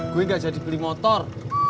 gue gak jadi beli motor